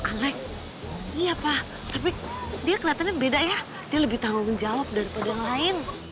alek iya pak tapi dia kelihatannya beda ya dia lebih tanggung jawab daripada yang lain